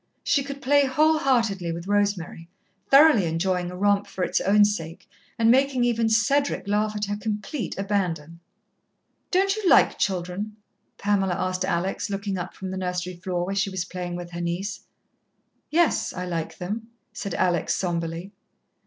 She could play whole heartedly with Rosemary, thoroughly enjoying a romp for its own sake, and making even Cedric laugh at her complete abandon. "Don't you like children?" Pamela asked Alex, looking up from the nursery floor where she was playing with her niece. "Yes, I like them," said Alex sombrely.